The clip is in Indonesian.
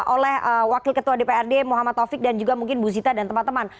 oleh wakil ketua dprd muhammad taufik dan juga mungkin bu zita dan teman teman